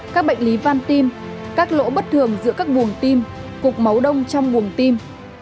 các bệnh lý văn tim các lỗ bất thường giữa các buồng tim cục máu đông trong buồng tim